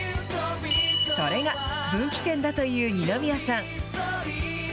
それが分岐点だという二宮さん。